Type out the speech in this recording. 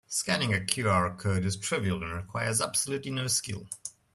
Scanning a QR code is trivial and requires absolutely no skill.